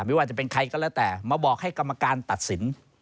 ไม่ว่าจะเป็นใครก็แล้วแต่มาบอกให้กรรมการตัดสิน